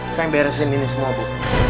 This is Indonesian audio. saya yang beresin ini semua bu